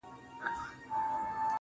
گرانه شاعره له مودو راهسي~